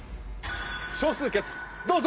少数決どうぞ！